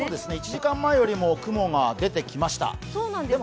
１時間前よりも雲が出てきました。